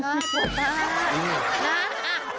ตาตา